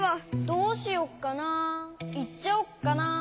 どうしよっかなあいっちゃおうかなあ。